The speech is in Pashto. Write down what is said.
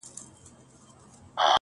ځوان د خپلي خولگۍ دواړي شونډي قلف کړې